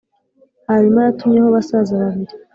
Hanyuma yatumyeho abasaza babiri